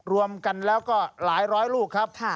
รวมกันแล้วก็หลายร้อยลูกครับ